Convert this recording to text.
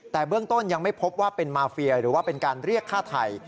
แต่เบื้องต้นยังไม่พบว่าเป็นมาเฟียหรือว่าเป็นการเรียกฆ่าไทย